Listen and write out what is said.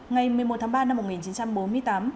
ngày một mươi một tháng ba năm một nghìn chín trăm chín mươi